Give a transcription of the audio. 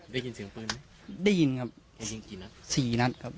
ได้ยินเสียงปืนไหมได้ยินครับได้ยินกี่นัดสี่นัดครับ